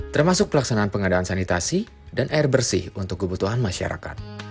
termasuk pelaksanaan pengadaan sanitasi dan air bersih untuk kebutuhan masyarakat